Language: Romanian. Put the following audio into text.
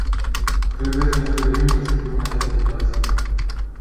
Trebuie să ne străduim să schimbăm această situație.